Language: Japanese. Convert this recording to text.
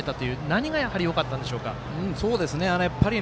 何がやはりよかったんでしょうか。